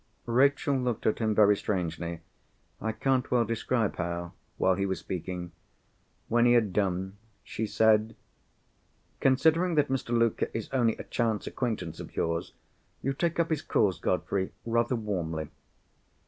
Rachel looked at him very strangely—I can't well describe how—while he was speaking. When he had done, she said, "Considering that Mr. Luker is only a chance acquaintance of yours, you take up his cause, Godfrey, rather warmly."